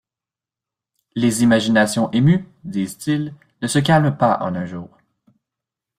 Les imaginations émues, disent-ils, ne se calment pas en un jour.